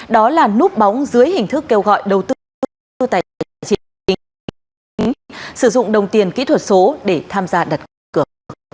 đó là núp bóng dưới hình thức kêu gọi đầu tư tại trị đánh bạc sử dụng đồng tiền kỹ thuật số để tham gia đặt cửa